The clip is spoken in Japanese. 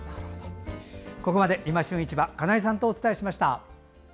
ここまで「いま旬市場」金井さんとお伝えしました。